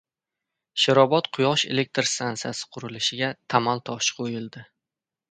Sherobod quyosh elektr stansiyasi qurilishiga tamal toshi qo‘yildi